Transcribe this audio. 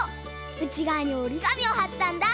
うちがわにおりがみをはったんだ。